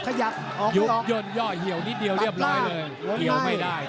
ขยับออกไปออกหลับล่างลงใน